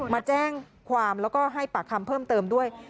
มาแจ้งความแล้วก็ให้ปากคำเพิ่มเติมด้วย